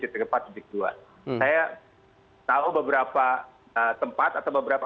saya tahu beberapa tempat atau beberapa